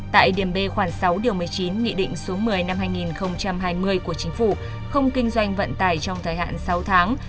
tại điểm b khoảng sáu điều một mươi chín nghị định số một mươi năm hai nghìn hai mươi của chính phủ không kinh doanh vận tải trong thời hạn sáu tháng